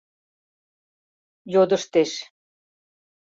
Йодыштеш.